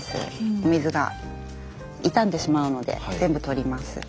お水が傷んでしまうので全部取ります。